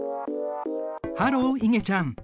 ハローいげちゃん。